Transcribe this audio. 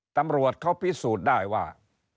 ตำรวจเขาพิสูจน์ได้ว่า